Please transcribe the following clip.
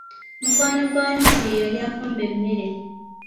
Mukwano gwa Anansi ye yali afumba emmere.